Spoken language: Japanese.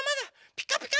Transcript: ピカピカ！